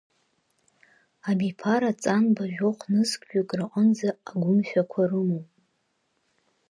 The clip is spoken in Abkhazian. Абиԥара Ҵанба жәохә-нызқьҩык рҟынӡа агәымшәақәа рымоуп.